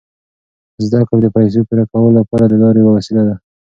زده کړه د پیسو پوره کولو لپاره د لارې یوه وسیله ده.